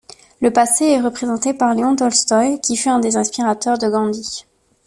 Le passé est représenté par Léon Tolstoï qui fut un des inspirateurs de Gandhi.